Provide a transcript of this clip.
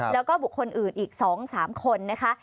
แล้วก็บุคคลอื่นอีก๒๓คนนะคะ